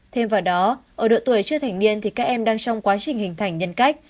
thêm vào đó ở độ tuổi chưa thành niên thì các em đang trong quá trình hình thành nhân cách